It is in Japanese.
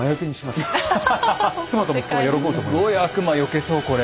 すごい悪魔よけそうこれ。